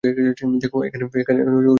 দেখ, এখানে কিছু জল আছে।